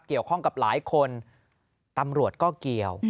เกี่ยวข้องกับหลายคนตำรวจก็เกี่ยว